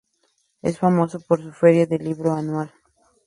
Es famoso por su feria del libro anual.